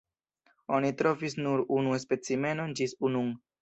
Oni trovis nur unu specimenon ĝis nun.